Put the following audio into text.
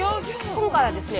今回はですね